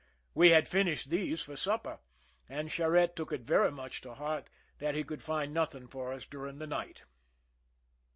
We had finished these / for suppei', and Charette took it very much to heart \ that he could find nothing for us during the night.